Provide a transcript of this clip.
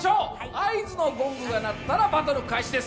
合図のゴングが鳴ったら、バトル開始です。